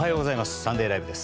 「サンデーＬＩＶＥ！！」です。